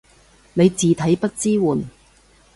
你字體不支援